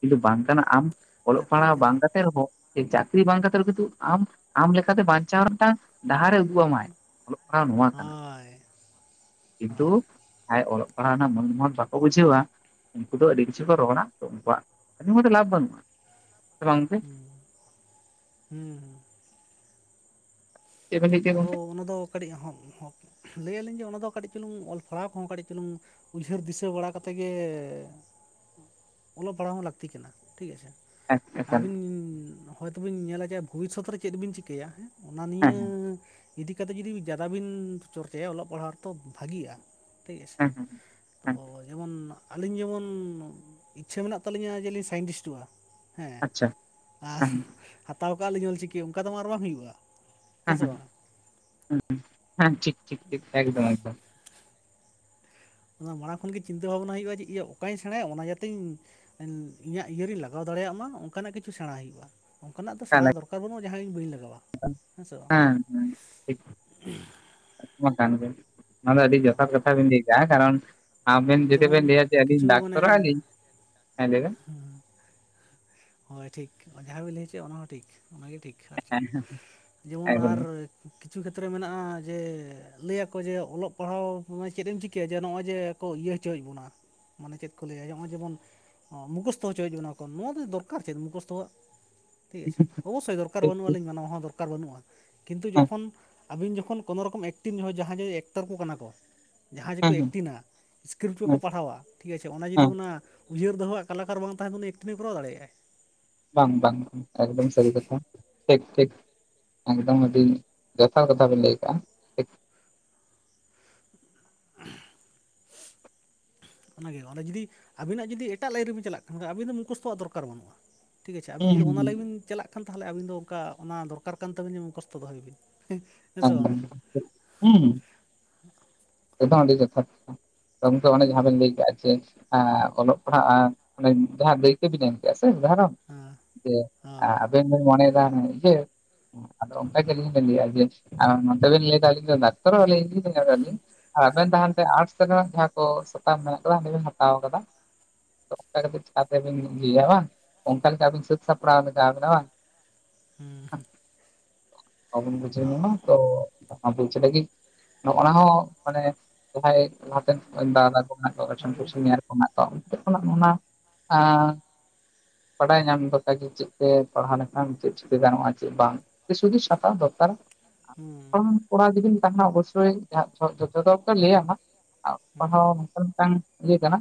ᱠᱤᱱᱛᱩ ᱵᱟᱝ ᱠᱟᱱᱟ ᱟᱢ ᱚᱞᱚᱜ ᱞᱟᱹᱠᱛᱤᱜ ᱯᱟᱲᱦᱟᱣ ᱵᱟᱝ ᱠᱟᱱᱟ ᱠᱟᱛᱮ ᱨᱮᱦᱚᱸ ᱪᱟᱹᱠᱨᱤ ᱵᱟᱝᱛᱮᱫ ᱠᱤᱱᱛᱩ ᱟᱢ ᱟᱢ ᱞᱮᱠᱟᱛᱮ ᱵᱟᱧᱪᱟᱣ [inaudible] ᱰᱟᱦᱟᱨᱮ ᱩᱫᱩᱜ ᱟᱢᱟᱭ ᱚᱞᱚᱜ ᱯᱟᱲᱦᱟᱣ ᱱᱚᱣᱟ ᱠᱟᱱᱟ ᱾ ᱦᱳᱭ ᱠᱤᱱᱛᱩ ᱦᱳᱭ ᱟᱡ ᱚᱞᱚᱜ ᱯᱟᱲᱦᱟᱜ ᱨᱮᱱᱟᱜ ᱢᱟᱹᱱ ᱢᱟᱹᱱ ᱵᱟᱠᱚ ᱵᱩᱡᱷᱟᱹᱣᱟ ᱩᱱᱠᱩ ᱫᱚ ᱟᱹᱰᱤ ᱠᱤᱪᱷᱩ ᱠᱚ ᱨᱚᱲᱟ ᱛᱚ ᱩᱱᱠᱩᱣᱟᱜ ᱟᱡᱚᱢ ᱠᱟᱛᱮ ᱞᱟᱵᱷ ᱵᱟᱹᱱᱩᱜᱼᱟ ᱥᱮ ᱵᱟᱝ ᱜᱚᱝᱠᱮ ᱾ ᱦᱩᱸ ᱪᱮᱫ ᱵᱮᱱ ᱞᱟᱹᱭ ᱠᱮᱫ ᱟᱫᱚ ᱜᱚᱝᱠᱮ ᱚᱱᱟᱫᱚ ᱠᱟᱹᱴᱤᱡ [unintelligible] ᱞᱟᱹᱭ ᱟᱹᱞᱤᱧ ᱡᱮ ᱚᱱᱟᱫᱚ ᱠᱟᱹᱴᱤᱡ ᱪᱩᱞᱩᱝ ᱚᱞ ᱯᱟᱲᱦᱟᱣ ᱠᱚᱦᱚᱸ ᱠᱟᱹᱴᱤᱡ ᱪᱩᱞᱩᱝ ᱩᱭᱦᱟᱹᱨ ᱫᱤᱥᱟᱹ ᱵᱟᱲᱟ ᱠᱟᱛᱮᱫ ᱜᱮ ᱚᱞᱚᱜ ᱯᱟᱲᱦᱟᱣ ᱦᱚᱸ ᱞᱟᱹᱠᱛᱤ ᱠᱟᱱᱟ ᱴᱷᱤᱠ ᱟᱪᱷᱮ ᱦᱮᱸ ᱾ ᱮᱠᱟᱞ ᱟᱹᱵᱤᱱ ᱦᱚᱭᱛᱳ ᱵᱤᱱ ᱧᱮᱞᱟ ᱡᱮ ᱵᱷᱚᱵᱤᱥᱚᱛ ᱨᱮ ᱪᱮᱫ ᱵᱤᱱ ᱪᱤᱠᱟᱹᱭᱟ ᱦᱮᱸ? ᱚᱱᱟ ᱦᱮᱸ ᱱᱤᱭᱟᱹ ᱤᱫᱤ ᱠᱟᱛᱮ ᱡᱩᱫᱤ ᱡᱟᱫᱟ ᱵᱤᱱ ᱪᱚᱨᱪᱟᱭᱟ ᱚᱞᱚᱜ ᱯᱟᱲᱦᱟᱜ ᱨᱮᱛᱚ ᱵᱷᱟᱜᱤᱜᱼᱟ ᱴᱷᱤᱠ ᱟᱪᱷᱮ ᱾ [unintelligible] ᱛᱚ ᱡᱮᱢᱚᱱ ᱟᱹᱞᱤᱧ ᱡᱮᱢᱚᱱ ᱤᱪᱪᱷᱟᱹ ᱢᱮᱱᱟᱜ ᱛᱟᱹᱞᱤᱧᱟ ᱡᱮᱞᱤᱧ ᱥᱟᱭᱮᱱᱴᱤᱥᱴᱚᱜᱼᱟ ᱾ ᱦᱮᱸ ᱟᱪᱪᱷᱟ ᱟᱨ ᱦᱮᱸ ᱦᱮᱸ ᱦᱟᱛᱟᱣ ᱠᱟᱜᱼᱟ ᱞᱤᱧ ᱚᱞᱪᱤᱠᱤ ᱚᱱᱠᱟ ᱛᱚᱢᱟ ᱟᱨ ᱵᱟᱝ ᱦᱩᱭᱩᱜᱼᱟ, ᱦᱮᱸ ᱥᱮ ᱵᱟᱝ [unintelligible] ᱴᱷᱤᱠ ᱴᱷᱤᱠ ᱴᱷᱤᱠ ᱮᱠᱫᱚᱢ ᱮᱠᱫᱚᱢ ᱚᱱᱟ ᱢᱟᱲᱟᱝ ᱠᱷᱚᱱᱜᱮ ᱪᱤᱱᱛᱟᱹ ᱵᱷᱟᱵᱽᱱᱟ ᱦᱩᱭᱩᱜᱼᱟ ᱡᱮ ᱤᱧᱤᱭᱟᱹ ᱚᱠᱟᱧ ᱥᱮᱬᱟᱭᱟ ᱚᱱᱟ ᱡᱟᱛᱮᱧ ᱤᱧᱟᱹᱜ ᱤᱭᱟᱹ ᱨᱤᱧ ᱞᱟᱜᱟᱣ ᱫᱟᱲᱮᱭᱟᱜ ᱢᱟ ᱚᱱᱠᱟᱱᱟᱜ ᱠᱤᱪᱷᱩ ᱥᱮᱬᱟ ᱦᱩᱭᱩᱜᱭᱼᱟ ᱾ ᱚᱱᱠᱟᱱᱟᱜ ᱫᱚ ᱮᱠᱟᱞ ᱥᱮᱬᱟ ᱫᱚᱨᱠᱟᱨ ᱵᱟᱹᱱᱩᱜᱼᱟ ᱡᱟᱦᱟᱸ ᱤᱧ ᱵᱟᱧ ᱞᱟᱜᱟᱣᱟ ᱦᱮᱸ ᱥᱮ ᱵᱟᱝ, ᱠᱟᱛᱷᱟ ᱢᱟ ᱠᱟᱱ ᱜᱮ ᱚᱱᱟ ᱫᱚ ᱟᱹᱰᱤ ᱡᱚᱛᱷᱟᱛ ᱦᱳᱭ ᱠᱟᱛᱷᱟ ᱵᱤᱱ ᱞᱟᱹᱭ ᱠᱟᱜ-ᱟ ᱠᱟᱨᱚᱱ ᱟᱵᱮᱱ ᱡᱩᱫᱤ ᱡᱮᱢᱚᱱ ᱵᱮᱱ ᱞᱟᱹᱭᱟ ᱡᱮ ᱟᱹᱞᱤᱧ ᱠᱤᱪᱷᱩ ᱰᱟᱠᱛᱚᱨᱚᱜᱞᱤᱧ ᱦᱮᱸ ᱞᱟᱹᱭᱵᱮᱱ ᱦᱮᱸᱻ ᱦᱳᱭ ᱴᱷᱤᱠ ᱡᱟᱦᱟᱸ ᱵᱤᱱ ᱞᱟᱹᱭ ᱦᱚᱪᱚ ᱚᱱᱟ ᱦᱚᱸ ᱴᱷᱤᱠ ᱚᱱᱟᱜᱮ ᱴᱷᱤᱠ ᱦᱚᱪᱚᱜᱼᱟ ᱦᱮᱸ ᱡᱮᱢᱚᱱ ᱮᱠᱫᱚᱢ ᱟᱨ ᱠᱤᱪᱷᱩ ᱠᱷᱮᱛᱨᱮ ᱢᱮᱱᱟᱜᱼᱟ ᱡᱮ ᱞᱟᱹᱭᱟᱠᱚ ᱡᱮ ᱚᱞᱚᱜ ᱯᱟᱲᱦᱟᱣᱟ ᱪᱮᱫ ᱮᱢ ᱪᱤᱠᱟᱹᱭᱟ ᱡᱮ ᱱᱚᱜᱼᱚᱭ ᱡᱮ ᱠᱚ ᱤᱭᱟᱹ ᱦᱚᱪᱚᱭᱮᱫ ᱵᱚᱱᱟ ᱢᱟᱱᱮ ᱪᱮᱫ ᱠᱚ ᱞᱟᱹᱭᱟ ᱱᱚᱜᱼᱚᱭ ᱡᱮᱢᱚᱱ ᱢᱩᱠᱷᱚᱥᱛᱚ ᱦᱚᱪᱚᱭ ᱵᱚᱱᱟ ᱠᱚ ᱱᱚᱣᱟ ᱫᱚ ᱫᱚᱨᱠᱟᱨ ᱟᱨ ᱪᱮᱫ ᱢᱩᱠᱚᱥᱛᱚᱣᱟᱜ, ᱴᱷᱤᱠ ᱟᱪᱷᱮ, ᱚᱵᱚᱥᱥᱳᱭ ᱫᱚᱨᱠᱟᱨ ᱴᱷᱤᱠ ᱵᱟᱹᱱᱩᱜ ᱴᱷᱤᱠ ᱟᱹᱞᱤᱧ ᱢᱟᱱᱟᱣᱟ ᱦᱚᱸ ᱫᱚᱨᱠᱟᱨ ᱵᱟᱹᱱᱩᱜᱼᱟ᱾ ᱠᱤᱱᱛᱩ ᱦᱮᱸ ᱡᱚᱠᱷᱚᱱ, ᱟᱹᱵᱤᱱ ᱡᱚᱠᱷᱚᱱ, ᱠᱳᱱᱳ ᱨᱚᱠᱚᱢ ᱮᱠᱴᱤᱢ ᱡᱚ ᱡᱟᱦᱟᱸᱭ ᱡᱮ ᱮᱠᱴᱟᱨ ᱠᱚ ᱠᱟᱱᱟ ᱠᱚᱼᱼ ᱡᱟᱦᱟᱸᱭ ᱡᱮᱠᱚ ᱦᱮᱸ ᱦᱮᱸ ᱮᱠᱴᱤᱝᱼᱟ ᱤᱥᱠᱨᱤᱯᱴ ᱠᱚᱠᱚ ᱦᱮᱸ ᱯᱟᱲᱦᱟᱣᱼᱟᱼᱼ ᱴᱷᱤᱠ ᱟᱪᱷᱮ, ᱚᱱᱟ ᱡᱩᱫᱤ ᱦᱮᱸ ᱚᱱᱟ ᱩᱭᱦᱟᱹᱨ ᱫᱚᱦᱚᱣᱟᱜ ᱠᱟᱞᱟᱠᱟᱨ ᱵᱟᱝ ᱛᱟᱦᱮ ᱛᱩᱱᱩᱜ ᱮᱠᱴᱤᱝ ᱮᱭ ᱠᱚᱨᱟᱣ ᱫᱟᱲᱮᱭᱟᱜᱟᱭ ᱵᱟᱝᱼᱵᱟᱝ, ᱮᱠᱫᱚᱢ ᱥᱟᱹᱨᱤ ᱠᱟᱛᱷᱟ, ᱴᱷᱤᱠᱼᱴᱷᱤᱠ ᱮᱠᱫᱚᱢ ᱟᱹᱰᱤ, ᱡᱚᱛᱷᱟᱛ ᱠᱟᱛᱷᱟ ᱵᱮᱱ ᱞᱟᱹᱭ ᱟᱠᱟᱜᱼᱟ ᱚᱱᱟᱜᱮ, ᱚᱱᱟ ᱡᱩᱫᱤ ᱟᱵᱤᱱᱟᱜ ᱡᱩᱫᱤ ᱮᱴᱟᱜ ᱞᱟᱭᱤᱱ ᱨᱮᱵᱤ ᱪᱟᱞᱟᱜ ᱠᱷᱟᱱ ᱟᱵᱤᱱ ᱢᱩᱠᱷᱚᱥᱛᱚᱣᱟᱜ ᱫᱚᱨᱠᱟᱨ ᱵᱟᱹᱱᱩᱜᱼᱟ᱾ ᱴᱷᱤᱠ ᱟᱪᱷᱮ ᱟᱵᱤᱱ ᱦᱩᱸ ᱡᱩᱫᱤ ᱚᱱᱟ ᱞᱟᱭᱤᱱ ᱵᱤᱱ ᱪᱟᱞᱟᱜᱼᱼ ᱮᱠᱷᱟᱱ ᱛᱟᱦᱚᱞᱮ ᱟᱹᱵᱤᱱ ᱫᱚ ᱚᱱᱠᱟ, ᱚᱱᱟ ᱫᱚᱨᱠᱟᱨ ᱠᱟᱱ ᱛᱟᱹᱵᱤᱱᱟ ᱡᱩᱠᱷᱥᱛᱚ ᱫᱚᱦᱚᱭ ᱵᱤᱱ᱾ ᱦᱮᱸ ᱥᱮ ᱵᱟᱝᱟ [unintelligible] ᱦᱩᱸ [inaudible] ᱟᱹᱰᱤ ᱠᱟᱛᱷᱟ, ᱚᱱᱮ ᱡᱟᱦᱟᱸ ᱵᱮᱱ ᱞᱟᱹᱭ ᱠᱟᱼᱟᱼᱼ [unintelligible] ᱮᱸ, ᱚᱞᱚᱜ ᱯᱟᱲᱦᱟᱜᱼᱟ, ᱡᱟᱦᱟᱸ [unintelligible] ᱠᱮᱜᱼᱟ ᱥᱮ ᱫᱷᱟᱨᱚᱱᱼᱼ ᱡᱮ, ᱦᱮᱸ ᱦᱳᱭ ᱟᱼᱟᱵᱮᱱ ᱵᱮᱱ ᱢᱚᱱᱮᱭ ᱫᱟ, ᱦᱟᱱᱮ ᱤᱭᱟᱹᱼᱼ ᱟᱫᱚ ᱚᱱᱠᱟ ᱜᱮ [unintelligible] ᱡᱮ, [unintelligible] ᱟᱵᱮᱱ ᱛᱟᱦᱮᱱ ᱛᱮᱼᱼ ᱟᱨᱴᱥ ᱨᱮᱱᱟᱜ ᱡᱟᱦᱟᱸ ᱠᱚ ᱥᱟᱛᱟᱢ ᱢᱮᱱᱟᱜ ᱠᱟᱫᱟ ᱚᱸᱰᱮ ᱵᱮᱱ ᱦᱟᱛᱟᱣ ᱠᱟᱫᱟ᱾ [unintelligible] ᱠᱟᱛᱮ [unintelligible] ᱨᱮᱵᱮᱱ ᱧᱩ ᱭᱟ ᱵᱟᱝ᱾ ᱚᱱᱠᱟ ᱞᱮᱠᱟ ᱟᱹᱵᱤᱱ ᱥᱟᱹᱛ ᱥᱟᱯᱲᱟᱣ ᱞᱟᱜᱟᱣᱵᱮᱱᱟ ᱵᱟᱝ᱾ ᱦᱩᱸ ᱦᱩᱸ ᱵᱟᱵᱚᱱ ᱵᱩᱷᱟᱹᱣ ᱧᱟᱢᱟ ᱛᱚ, ᱵᱩᱡᱟᱹᱣ ᱞᱟᱹᱜᱤᱫ, ᱱᱚᱜᱼᱚ ᱱᱟ ᱦᱚᱸᱼᱼ ᱢᱟᱱᱮ, ᱡᱟᱦᱟᱸᱭ ᱞᱟᱦᱟᱛᱮᱱ ᱟᱹᱣᱨᱤ [unintelligible] [unintelligible] ᱠᱷᱚᱱᱟᱜ ᱚᱱᱟ, ᱟᱸᱼᱼ ᱵᱟᱰᱟᱭ ᱧᱟᱢ [unintelligible] ᱞᱮᱠᱟ ᱡᱮ ᱪᱮᱫ ᱛᱮ ᱯᱟᱲᱦᱟᱣ ᱞᱮᱠᱷᱟᱱ ᱪᱮᱫ ᱪᱤᱠᱟᱹ ᱜᱟᱱᱚᱜᱼᱟ ᱪᱮᱫ ᱵᱟᱝ? ᱥᱩᱫᱤ ᱥᱟᱛᱟ ᱫᱚᱨᱠᱟᱨ ᱦᱩᱸ [unintelligible] ᱠᱚᱲᱟ ᱡᱩᱫᱤᱤᱱ ᱛᱟᱦᱮᱱᱟ ᱚᱵᱚᱥᱥᱳᱭ ᱡᱚᱼᱡᱚᱛᱚ ᱫᱚᱠᱚ ᱞᱟᱹᱭ ᱟᱢᱟᱼᱼ [unintelligible] ᱯᱟᱲᱦᱟᱣ ᱦᱩᱸ [unintelligible] ᱢᱤᱫᱴᱟᱝ ᱤᱭᱟᱹ ᱠᱟᱱᱟ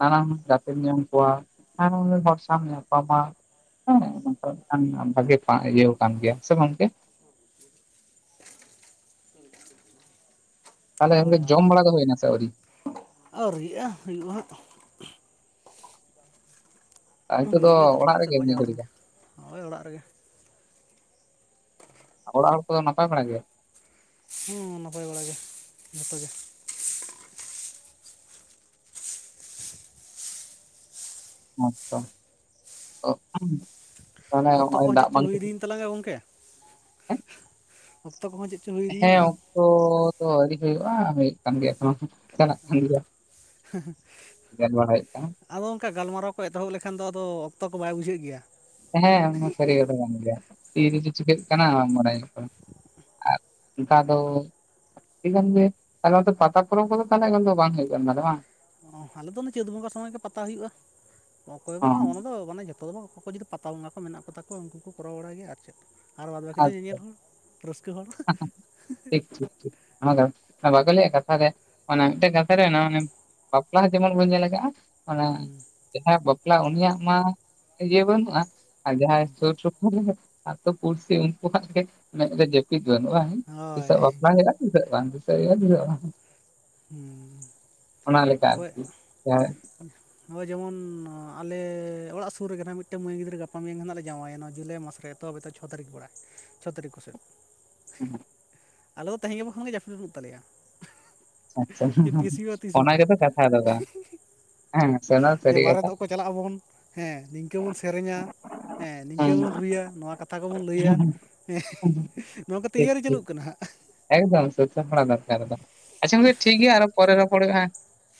ᱱᱟᱱᱟ, ᱱᱟᱱᱟ ᱦᱩᱸ ᱜᱟᱛᱮ᱾ ᱧᱟᱢ ᱠᱚᱣᱟ, ᱦᱮᱸ, ᱦᱚᱲ ᱥᱟᱣᱮᱢ ᱧᱟᱯᱟᱢᱟ [inaudible] ᱵᱷᱟᱜᱮ ᱤᱭᱟᱹᱣ ᱠᱟᱱ ᱜᱮᱭᱟ ᱥᱮ ᱜᱚᱝᱠᱮ? [unintelligible] ᱛᱟᱦᱞᱮ [inaudible] ᱡᱚᱢ ᱵᱟᱲᱟ ᱫᱚ ᱦᱳᱭ ᱱᱟ ᱥᱮ ᱟᱹᱣᱨᱤ? ᱟᱣᱨᱤᱭᱟᱜᱼᱟ ᱦᱩᱭᱩᱜᱼᱟ ᱦᱟᱸᱜ᱾ ᱟᱨ ᱱᱤᱛᱚᱜ ᱫᱚ ᱦᱩᱭᱞᱮᱱᱜᱮ, ᱚᱲᱟᱜ ᱫᱚᱥᱴᱟ ᱠᱚ ᱨᱮᱜᱮ ᱥᱮᱜ ᱱᱤᱭᱟᱹ ᱵᱟᱡᱟᱣ ᱜᱷᱟᱹᱲᱤ ᱞᱮᱱ ᱫᱚ ᱜᱮ, ᱦᱳᱭ ᱚᱲᱟᱜ ᱨᱮᱜᱮ᱾ ᱚᱲᱟᱜ ᱦᱚᱲ ᱠᱚᱫᱚ ᱱᱟᱯᱟᱭ ᱵᱟᱲᱟ ᱜᱮᱭᱟ? ᱦᱩᱸ ᱱᱟᱯᱟᱭ ᱵᱟᱲᱟ ᱜᱮ, ᱡᱷᱚᱛ ᱜᱮ᱾ ᱦᱮᱸ ᱛᱚ [inaudible] ᱛᱟᱦᱚᱞᱮ ᱚᱠᱛᱚ ᱱᱚᱜᱼᱚᱭ ᱠᱚ ᱫᱟᱜ ᱪᱮᱫ ᱵᱟᱝ ᱪᱚᱝ ᱠᱷᱟᱹᱛᱤᱨ ᱦᱩᱭᱤᱫᱤᱭᱮᱱ ᱛᱟᱞᱟᱝᱟ ᱜᱚᱝᱠᱮ? ᱚᱠᱛᱚ ᱠᱚᱦᱚᱸ ᱪᱮᱜ ᱪᱚᱝ ᱦᱩᱭ ᱛᱮ ᱦᱮᱸ ᱤᱫᱤᱭᱮᱱᱟ? ᱚᱠᱛᱚ ᱫᱚ ᱟᱹᱣᱨᱤ ᱦᱩᱭᱩᱜᱼᱟ, ᱦᱩᱭᱩᱜ ᱠᱟᱱ ᱜᱮᱭᱟ ᱮᱠᱷᱚᱱᱚ, ᱪᱟᱞᱟᱜ ᱠᱟᱱ ᱜᱮᱭᱟ᱾ ᱦᱮᱸ ᱦᱮᱸ ᱜᱮᱰ ᱵᱟᱲᱟᱭ ᱦᱩᱭᱩᱜ ᱠᱟᱱᱟ᱾ ᱟᱫᱚ ᱜᱚᱝᱠᱮ ᱜᱟᱞᱢᱟᱨᱟᱣ ᱠᱚ ᱮᱛᱚᱦᱚᱵ ᱞᱮᱠᱷᱟᱱ ᱫᱚ ᱟᱫᱚ ᱚᱠᱛᱚ ᱠᱚ ᱵᱟᱭ ᱵᱩᱡᱷᱟᱹ ᱜᱮᱭᱟ᱾ ᱦᱮᱸ, ᱚᱱᱟ ᱥᱟᱹᱨᱤ ᱠᱟᱛᱷᱟ ᱠᱟᱱ ᱜᱮᱭᱟ, ᱛᱤ ᱨᱮᱡᱮ ᱪᱤᱠᱟᱹᱜ ᱠᱟᱱᱟ ᱵᱟᱲᱟᱭᱚᱜ ᱠᱟᱱᱟ? ᱟᱨ, ᱚᱱᱠᱟ ᱫᱚᱼᱼ ᱴᱷᱤᱠᱟᱱ ᱜᱮ, ᱛᱟᱦᱞᱮ ᱚᱱᱟ ᱯᱟᱛᱟ ᱯᱚᱨᱚᱢ ᱠᱚᱫᱚ ᱛᱟᱦᱞᱮ ᱠᱷᱟᱱ ᱫᱚ ᱵᱟᱝ ᱦᱩᱭᱩᱜ ᱠᱟᱱᱟ ᱛᱟᱦᱞᱮ ᱵᱟᱝᱼᱼ ᱚᱸ, ᱟᱞᱮ ᱫᱚ ᱚᱱᱟ ᱪᱟᱹᱛ ᱵᱚᱸᱜᱟ ᱥᱚᱢᱚᱭ ᱜᱮ ᱯᱟᱛᱟ ᱦᱩᱭᱩᱜᱼᱟ, ᱚᱠᱚᱭ ᱚ ᱵᱟᱝᱟ ᱚᱱᱟ ᱫᱚ ᱢᱟᱱᱮ ᱡᱚᱛᱚᱼᱼ ᱚᱠᱚᱭ ᱠᱚ ᱡᱩᱫᱤ ᱯᱟᱛᱟ ᱵᱚᱸᱜᱟ ᱠᱚ ᱦᱮᱱᱟᱜ ᱠᱚ ᱛᱟᱠᱚᱣᱟ ᱩᱱᱠᱩ ᱠᱚ ᱠᱚᱨᱟᱣ ᱵᱟᱲᱟᱭ ᱜᱮᱭᱟ ᱟᱨ ᱪᱮᱫ, ᱟᱨ ᱵᱟᱫᱽ ᱵᱟᱹᱠᱤ ᱫᱚ ᱟᱪᱪᱷᱟ ᱧᱮᱧᱮᱞ ᱦᱚᱲ᱾ ᱨᱟᱹᱥᱠᱟᱹ ᱦᱚᱲ [unintelligible] ᱴᱷᱤᱠ ᱵᱟᱠᱚ ᱞᱟᱹᱭᱟ ᱠᱟᱛᱷᱟᱨᱮ ᱚᱱᱟ ᱢᱤᱫᱴᱮᱱ ᱠᱟᱛᱷᱟ ᱨᱮ ᱚᱱᱟ ᱦᱚᱸ ᱡᱮᱢᱚᱱ ᱵᱟᱹᱧ ᱧᱮᱞ ᱟᱠᱟᱜᱼᱟ ᱚᱱᱟ ᱦᱩᱸ ᱡᱟᱦᱟᱸᱭᱟᱜ ᱵᱟᱯᱞᱟ ᱩᱱᱤᱭᱟᱜ ᱢᱟ ᱤᱭᱟᱹ ᱵᱟᱹᱱᱩᱜᱼᱟ ᱟᱨ ᱡᱟᱦᱟᱸᱭ ᱦᱩᱸ ᱥᱩᱨ ᱥᱩᱯᱩᱨ ᱨᱮ ᱟᱛᱩ ᱯᱩᱲᱥᱤ ᱩᱱᱠᱩᱣᱟᱜ ᱜᱮ ᱢᱮᱸᱫ ᱨᱮ ᱡᱟᱹᱯᱤᱫ ᱵᱟᱹᱱᱩᱜᱼᱟ ᱦᱮ ᱦᱳᱭ ᱱᱤᱛᱚᱜ ᱵᱟᱯᱞᱟ ᱦᱩᱭᱩᱜ-ᱟ᱾ ᱪᱮᱫᱟ ᱵᱟᱝ [unintelligible] ᱦᱩᱸ᱾ ᱚᱱᱟᱞ ᱞᱮᱠᱟ ᱟᱨᱠᱤ ᱦᱮᱸ [unintelligible] ᱦᱚᱭ ᱡᱮᱢᱚᱱ ᱟᱞᱮ ᱚᱲᱟᱜ ᱥᱩᱨ ᱨᱮᱜᱮ ᱱᱟᱦᱟᱜ ᱢᱤᱫᱴᱟᱝ ᱢᱟᱹᱭ ᱜᱤᱫᱽᱨᱟᱹ ᱜᱟᱯᱟ ᱢᱮᱭᱟᱝ ᱦᱟᱜ ᱞᱮ ᱡᱟᱶᱟᱭ ᱟᱭᱟ ᱱᱚᱣᱟ ᱡᱩᱞᱟᱭ ᱢᱟᱥ ᱨᱮ᱾ ᱛᱚᱵᱮ ᱛᱚ ᱪᱷᱚ ᱛᱟᱹᱨᱤᱠᱷ ᱯᱟᱲᱟᱜᱼᱟ ᱪᱷᱚ ᱛᱟᱹᱨᱤᱠᱷ ᱠᱚᱥᱮᱫ᱾ ᱦᱩᱸ᱾ ᱟᱞᱮ ᱫᱚ ᱛᱮᱦᱮᱧ ᱜᱟᱯᱟ ᱠᱷᱚᱱᱟᱜᱮ ᱡᱟᱹᱯᱤᱫ ᱵᱟᱹᱱᱩᱜ ᱛᱟᱞᱮᱭᱟ᱾ ᱟᱪᱪᱷᱟ ᱡᱮ ᱛᱤᱥ ᱦᱩᱭᱩᱜᱼᱟ ᱛᱤᱥ ᱚᱱᱟ ᱵᱟᱝᱟ ᱜᱮᱛᱚ ᱠᱟᱛᱷᱟ ᱠᱚᱫᱚ [unintelligible] ᱡᱮ ᱵᱟᱨᱮᱛ ᱠᱚ ᱵᱚᱱ ᱪᱟᱞᱟᱜ ᱟᱵᱚᱱ ᱦᱮᱸ ᱱᱤᱝᱠᱟᱹ ᱵᱚᱱ ᱥᱮᱨᱮᱧᱟ᱾ ᱦᱮᱸ ᱱᱤᱝᱠᱟᱹ ᱜᱮᱵᱚᱱ ᱨᱩᱭᱟ ᱱᱚᱣᱟ ᱠᱟᱛᱷᱟ ᱠᱚᱵᱚᱱ ᱞᱟᱹᱭᱟ ᱦᱮᱸ ᱱᱤᱭᱟᱠᱚ ᱴᱷᱤᱠ ᱛᱮᱭᱟᱨᱤ ᱴᱷᱤᱠ ᱪᱟᱹᱞᱩᱜ ᱠᱟᱱᱟ ᱦᱟᱸᱜ ᱮᱠᱫᱚᱢ ᱥᱟᱹᱛ ᱵᱟᱲᱟ ᱫᱚᱨᱠᱟᱨ ᱜᱮ᱾ ᱟᱪᱪᱷᱟ ᱜᱚᱝᱠᱮ ᱴᱷᱤᱠ ᱜᱮᱭᱟ ᱟᱨᱦᱚ ᱯᱚᱨᱮ ᱨᱚᱯᱚᱲ ᱦᱩᱭᱩᱜ-ᱟ᱾